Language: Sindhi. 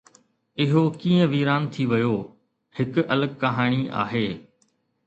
اهو ڪيئن ويران ٿي ويو، هڪ الڳ ڪهاڻي آهي.